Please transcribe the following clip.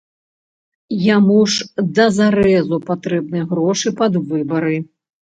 Яму ж дазарэзу патрэбны грошы пад выбары.